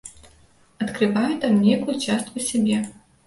Адкрываю там нейкую частку сябе.